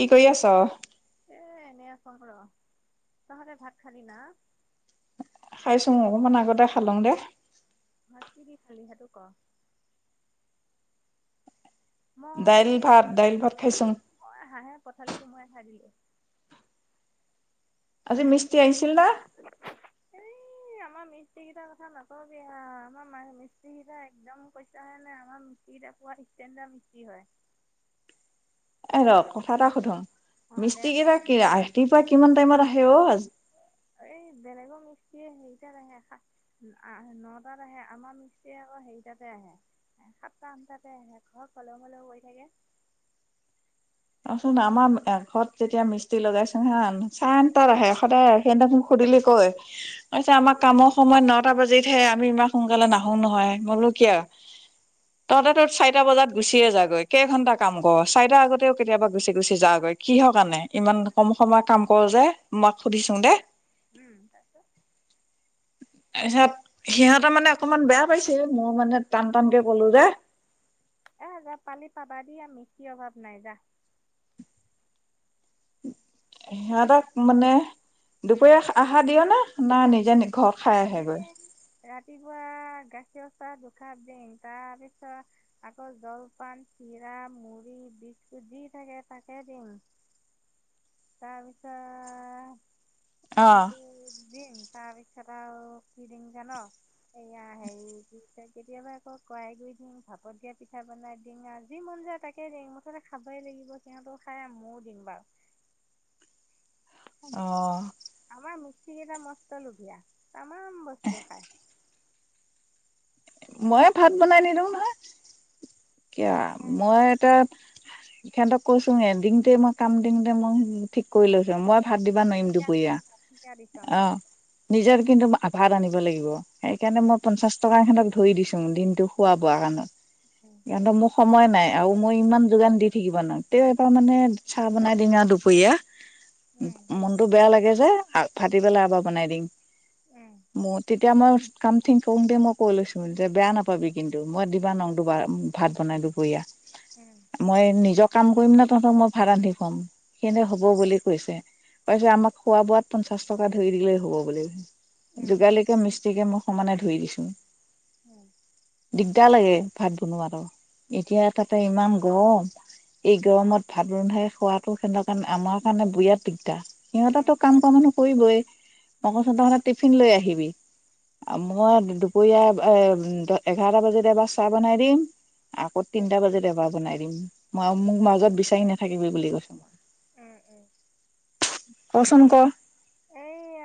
কি কৰি আছ? এ নে [unintelligible] তহতে ভাত খালি না? খাইছো, অকমান আগতে খালোং দে। ভাত কি দি খালি সেইটো ক। মই দাইল ভাত, দাইল ভাত খাইচোং। পঠালি কো মোৰাই খাই দিলো। আজি মিস্ত্ৰী আহিছিল। না ই আমাৰ মিস্ত্ৰী কেইটাৰ কথা নকবি আও। আমাৰ মিস্ত্ৰী কেইটা একদম পইচাহে নাই আমাৰ ৰুটি দা পুৱা ইষ্টাৰ্ন দা মিস্ত্ৰী হয়। [inaudible] এ ৰ কথা এটা সুধো। অ দে মিস্ত্ৰী ক কেইটা কি ৰাতিপুৱা কিমান টাইমত আহে অ [inaudible] এই বেলেগৰ মিস্ত্ৰীয়ে হেৰিতাত আহে সা, নটাত আহে আমাৰ মিস্ত্ৰীয়ে আকৌ হে আহে সাতটা, আঠটাতে আহে। ঘৰত কলেও মলেও পৰি থাকে। [inaudible] অ চোন আমাৰ ঘৰত যেতিয়া মিস্ত্ৰী লগাইছো ন চাৰে আঠটাত আহে। সদায় সিহঁক মোক সুধিলোঁ কয় আমাক কামৰ সময় নটা বাজিতহে। আমি ইমান সোনকালে নাহো নহয়। মই বোলোঁ কিয়া তহঁতে তত চাৰিটা বজাত গুচিয়ে যাগৈ। কেই ঘন্টা কাম কৰ, চাৰিটা আগতে কেতিয়াবা গুচি গুচি যাগৈ কিহ ৰ কাৰণে ইমান কম সময় কাম কৰ যে? মাক সুধিছো দে উম তাৰপিছত তাৰপিছত সিহঁতে মানে অকমান বেয়া পাইছে। মই মানে টান টানকে কলো যে। এ যা পালি পাবা দি। মিস্ত্ৰী অভাৱ নাই যা। সিহঁতক মানে উম দুপৰীয়া আহাৰ দিয়া নে না নিজে নি দিনে ৰাতিপুৱা গাখীৰ [unintelligible] তাৰপিছত আকৌ জলপান, চিৰা, মুড়ি, বিস্কুট যি থাকে তাকে দিং। [inaudible] তাৰপিছত অ সেইটো দিম, তাৰপিছত আৰু কি দিম জান এই কেতিয়াবা আকৌ কৰাই গুৰি দিং, ভাপত দিয়া পিঠা বনাই ডিং আ যি মন যায় তাকে ডিং। মুঠতে খাব ই লাগিব। সিহঁতেও খাই, ময়ো দিম বাৰু। উম। অ। আমাৰ মিস্ত্ৰী কেইটা মস্ত লোভীয়া তামাম বস্তু খাই। ময়ে ভাত বনাই নিদিওঁ নহয়। কিয় উম, মই এটা। সিহঁতক কৈছো দিনতে মই কাম দিওঁতে মই ঠিক কৰি লৈছো মই। ভাত দিবা নোৱাৰম ঠিকা দুপৰীয়া নিচিনা ঠিকা দিছ অ উম নিজৰ কিন্তু আ ভাত আনিব লাগিব। সেইকাৰণে মই পঞ্চাশ টকা এহতক ধৰি দিছো দিনটো খোৱা বোৱা কাৰণত। উম সিহতক মোৰ সময় নাই আৰু মই ইমান যোগান দি থাকিব নো তে এবাৰ মানে চাহ বনাই দি আৰু দুপৰীয়া। মনতটো বেয়া লাগে যে ফাটি পেলাই আবাৰ বনাই দিম। মতে। এতিয়া মই কামথিং কৰওঁতে মই কৈ লৈছোঁ যে বেয়া নাপাবি কিন্তু মই দিবা নওঁ দুবাৰ। ভাত বনাই দুপৰীয়া মই নিজৰ কাম কৰিম ন তহঁতক মই ভাত ৰান্ধি খুৱাম। সিহতে হ'ব বুলি কৈছে পাৰ পিছত আমাক খোৱা বোৱাত পঞ্চাশ টকা ধৰি দিলেই হব বুলি। যোগালীকে মিস্ত্ৰীিকে মই সমানে ধৰি দিছোঁ। উম। দিগদাৰ লাগে ভাত বনোৱাটো এতিয়া তাতে ইমান। গৰম এই গৰমত ভাত ৰন্ধাই খোৱাতটো সেতঁৰ কাৰণে আমাৰ কাৰণে বিৰাট দিগদাৰ। সিহঁতটো কাম কৰা মানুহ কৰিবই আকৌ উম। চিন্তা কৰিলোঁ টিফিন লৈ আহিবি। মই দুপৰীয়া এ এঘাৰটা বজাতে এবাৰ চাহ বনাই দিম। আকৌ তিনটা বজাত এবাৰ বনাই দিম। মই মোক মাজত বিচাৰি নাথাকিবি বুলি কৈছোঁ মই। উম উম। কচোন ক।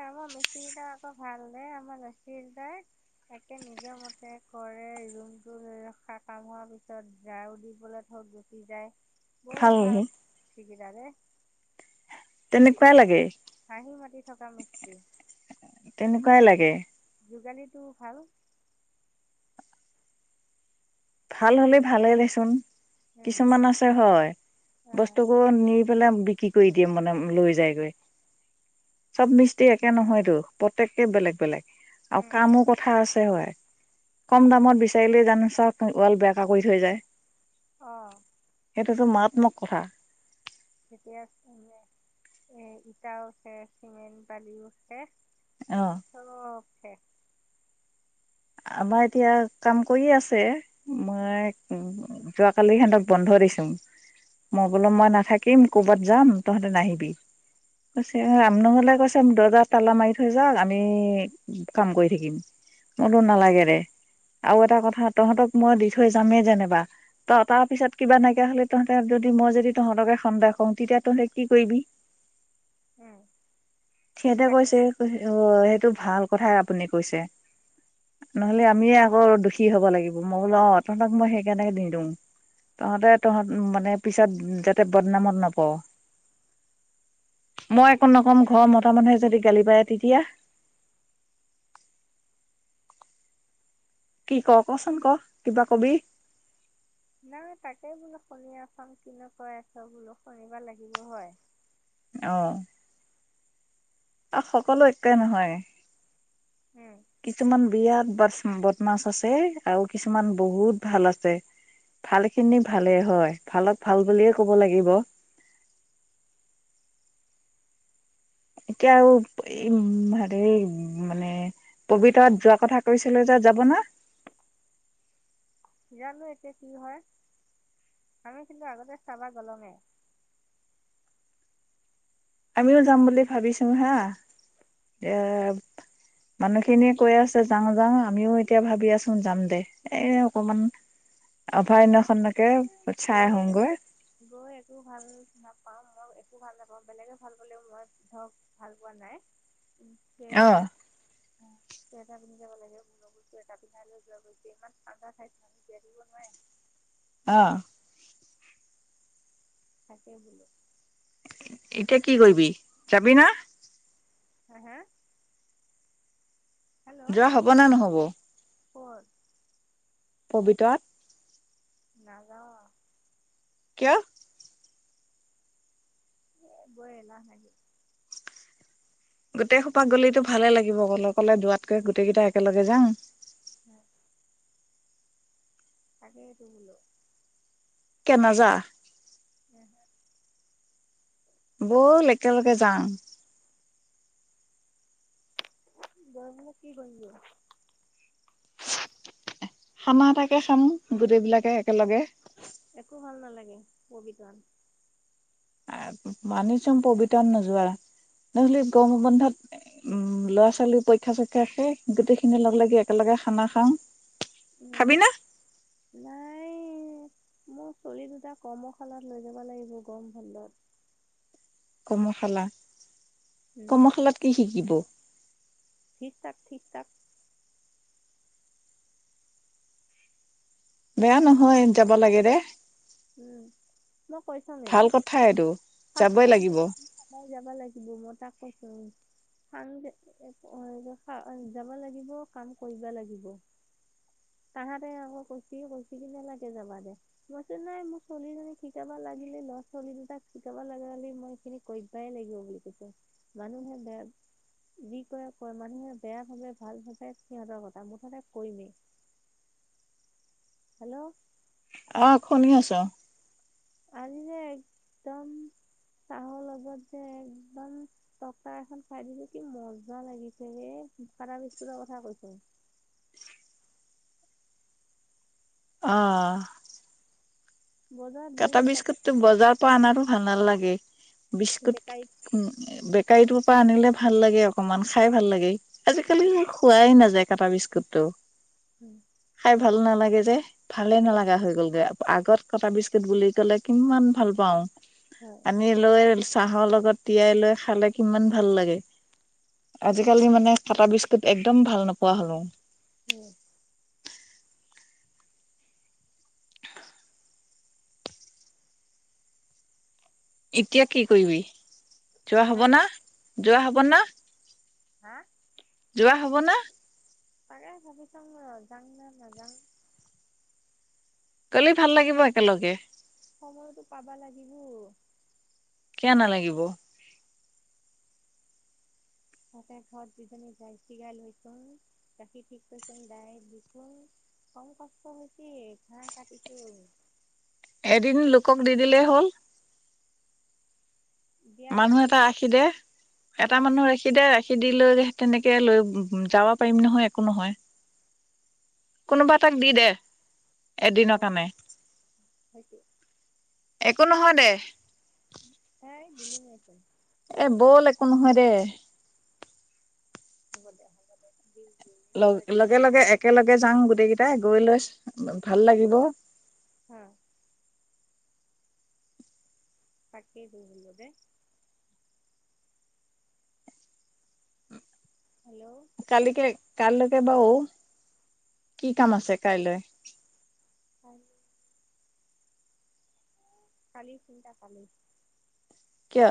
আমাৰ মিস্ত্ৰীগিটা আকৌ ভাল দে, আমাৰ নাচিব দা নিজৰ মতে কৰে। ৰুমটো লৈ ৰখা কাম হোৱাৰ পিছত ঝাড়ু দিবলে ধৰ গুচি যায়। বহুত ভাল সেই কেইটা। চাহ লাগে। হাঁহি মাতি থকা মিস্ত্ৰী। তেনেকুৱাই লাগে। যোগালীটো ভাল। ভাল হ'লে ভালে দেচোন কিছুমান আছে হ'য় বস্তুকো নি। লৈ পেলাই বিক্ৰী কৰি দিয়ে মানে লৈ যায় গৈ। চব মিস্ত্ৰী একে নহয়তো প্ৰত্যেকেই বেলেগ বেলেগ। আৰু কামো কথা আছে হ'য় কম দামত বিচাৰিলে জানো চব। ওৱাল বেকা কৰি থৈ যায়। অহ। সেইটোতো মাৰাত্মক কথা। তেতিয়াে এ ইটাও উঠে চিমেণ্ট বালিও উঠে। অ চব অকে। আমাৰ এতিয়া কাম কৰিয়ে আছে উম মই উম। যোৱাকালি সিহঁতক বন্ধ দিছোঁ মই বোলো মই নাথাকি। থাকিম ক'বাত যাম তহঁতে নাহিবি। কৈছে ৰামনঙলে গৈছে দৰ্জা তালা মাৰি থৈ যাওঁক আমি কাম কৰি থাকিম। মই কলোঁ নালাগে দে আৰু এটা কথা তহঁতক মই দিছোঁ। থৈ যামে যেনিবা ত তাৰ পিছত কিবা নাইকিয় হ'লে, তহঁৰ যদি মই যদি তহঁতকে সন্দেহ কৰোঁ তেতিয়া। তেতিয়া তহঁতে কি কৰিবি। উম সিহঁতে তাকে কৈছে অ সেইটো ভাল। কথাই আপুনি কৈছে। নহ'লে আমিয়ে আকৌ দুখী হ'ব লাগিব। মই বোলো অ তহঁতক মই সেইকাৰণে নিদিওঁ। তহঁতে তহঁত মানে পিছত যাতে বদনামত নপৰ। মই একো নকম ঘৰৰ মতা মানুহে যদি গালি পাৰে তেতিয়া। [unintelligible] কি ক কচোন ক কিবা কবি। নাই তাতে বোলো শুনি আছোঁ। কিনো কৈ আছ বোলো শুনিব লাগিব হয়। অ আৰু সকলো একেই নহয়। বটমাছ আছে আৰু উম কিছুমান বহুত ভাল আছে। ভাল খিনি ভালে হ'য় ভালত ভাল বুলিয়ে কব লাগিব। [unintelligible] এতিয়া আৰু হেৰি মানে পবিতৰাত যোৱা কথা কৈছিলোঁ যে। যাব ন। জানো এতিয়া কি হ'য়। আমি কিন্তু আগতে চাবা গলোৱে। আমিও যাম বুলি ভাবিছোঁ হা এ। মানুহখিনিয়ে কৈ আছে যাওঁ যাওঁ, আমিও এতিয়া ভাবি আচো যাম দে এ অকমান। হয় [unintelligible] আহোগৈ গৈ একো ভাল নাপাওঁ। ধৰক একো ভাল নাপাওঁ বেলেগে ভাল পালেও মই ধৰক ভাল পোৱা নাই। অ কেইটা। [unintelligible] এটা পিন্ধি য লাগে মস্তু এটা পিন্ধাই লৈ যোৱা ইমান ঠাণ্ডা ঠাইত জীয়াই থাকিব নোৱাৰে। অ-। থাকে বুলু। এতিয়া কি কৰিবি যাবি না। হে হে। যোৱা হব নে নহ'ব--! ক'ত পবিতৰাত। নাযাওঁ -। কিয়? গৈ এলাহ লাগিছে। গোটেই খোপা গলেো ভালে লাগিব গলে কলে দোৱাতকে গোটেই কেইটা একেলগে যাওঁ। অ [unintelligible] তাকেই টো বোলো। কেনা যা। উ [unintelligible] ব'ল একেলগে যাওঁ। গৈ কেনে কি কৰিম গে? খানা এটাকে খাম গোটেই বিলাকে একেলগে। একো ভাল নালাগে পবিতৰাত। মানি চম পবিত্ৰণ নোযোৱা। নহ'লে গৰম বন্ধত উম ল'ৰা ছোৱালী পৰীক্ষা চৰীক্ষা শেষ গোটেই খিনি লগ লাগি একেলগে। খানা খাওঁ উম খাবি না। নাই মোৰ ছোৱালী দুটা কৰ্মশালাত লৈ যাব লাগিব গৰম বন্ধত। কৰ্মশালা উম কৰ্মশালাত কি শিকিব। ঠিক ঠাক ঠিক ঠাক-। বেয়া নহয় যাব লাগে দে। উম মই কৈছ নে। ভাল কথা এইটো যাবই ফাৰ্ষ্ট লাগিব টাইম যাব লাগিব মই তাক কৈছোঁএই। [unintelligible] যাব লাগিব কাম কৰিব লাগিব-। তাহাঁতে আকৌ কৈছে কৈছে কিনে লাগে যাবা দেই। নাই মোৰ ছোৱালীজনীক শিকাব লাগিলে ল'ৰা ছোৱালী দুটাক শিকাব লগা মই সখিনি কৰিবাই লাগিব বুলি কৈছে মানুহে বে যি কয় কয় মানুহে বেয়া ভাবে ভাল ভাবে সিহঁতৰ কথা মুঠতে কৰিমেই - [unintelligible] হেল্ল'- আহ শুনি আছো- আজি যে একদম চাহৰ লগত যে একদম তটকা এখন খাই দিলো কি মজা লাগিছে হেই কটা বিস্কুটৰ কথা কৈছোঁ - [unintelligible] আহ বজাৰত কাটা গ'লে তক বিস্কুতটো বজাৰৰ পৰা অনাটো ভাল নালাগে বিস্কুট বেকাৰীত বেকাৰীটোৰ পৰা আনিলে ভাল লাগে অকনমান খাই ভাল লাগে আজিকালি খোৱাই নাযায় কাটা বিস্কুটটো উম খাই ভাল নালাগে যে ভালে নলগা হৈ গ'লগৈ আগত কটা বিজ বুলি কলে কিমান ভাল পাও হয় পানী লৈ। চাহৰ লগত তিয়াই লৈ খালে কিমান ভাল লাগে। আজিকালি মানে কাটা বিস্কুট একদম ভাল নোপোৱা হলো উম এতিয়া কি কৰিবি যোৱা হা হ'ব না যোৱা হ'ব না হা যোৱা হ'ব না। পাৰে ভাবি চাং ৰ যাং নে নাযাওঁ। কালি ভাল লাগিব একেলগে। সময়তো পাবা লাগিবই কিয় নালাগিব। তাকাই ঘৰত যিজনী যাই ছি গা লৈছো গাখীৰ ঠিক কৰিছোন গাই দিখোন কম কষ্ট হৈছে ঘাঁহ কাটিছো। এদিন লোকক দি দিলেই হ'ল। দিয়াৰ মানুহ লগে এটা লগে ৰাখি দে এটা মানুহ গাখীৰ ৰাখি দে ৰাখি দি লৈ। তেনেকে লৈ যাব পাৰিম নহয় একো নহয়। কোনোবা এটাক দি দে। অ এদিনৰ কাৰণে হৈছে একো নহয় দে। হে দিলুমেছে। এ বল একো নহয় দে হ'ব দে হ'ব দে। লগ লগে লগে একেলগে যাওঁ গোটেই কেইটাই গৈ লৈ ভাল লাগিব। হ পাকেই পহ দে। হেল্ল' কালিকে কাইলৈকে বাৰু কি কাম আছে কাইলৈ। [unintelligible] খালি চিন্তা পালে কিয়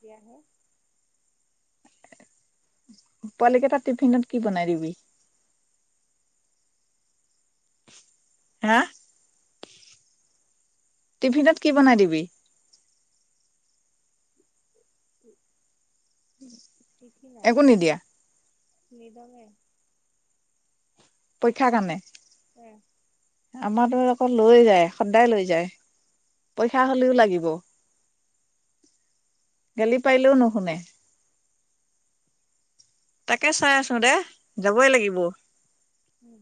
দিয়াহে। পোৱালিকেইটা টিফিনত কি বনাই দিবি। হা টিফিনত কি বনাই দিবি? উম একো নিদিয়া। নিদুঙে পৰীক্ষা কানে উম আমাৰো আকৌ লৈ যায় সদায় লৈ যায় পৰীক্ষা হ'লেও লাগিব গালি পাৰিলেও নুশুনে তাকে চাই আছো দে যাবই লাগিব উম